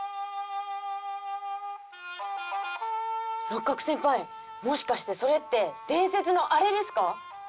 六角先輩もしかしてそれって伝説のアレですか？